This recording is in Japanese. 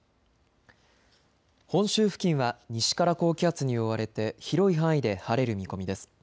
本州付近は西から高気圧に覆われて広い範囲で晴れる見込みです。